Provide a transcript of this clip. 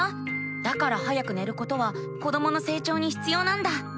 だから早く寝ることは子どもの成長にひつようなんだ。